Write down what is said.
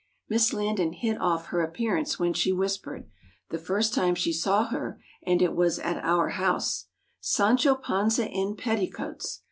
Miss Landon 'hit off' her appearance when she whispered, the first time she saw her (and it was at our house), 'Sancho Panza in petticoats!